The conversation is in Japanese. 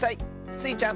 スイちゃん